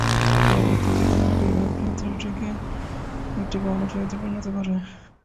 পরবর্তী যেকোনো আবির্ভাব চরিত্রটিকে একটি গৌণ চরিত্রে পরিণত করে।